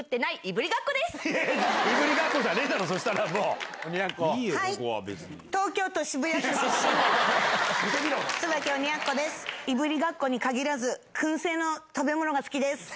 いぶりがっこに限らず、食べ物が好きです。